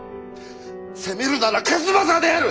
責めるなら数正である！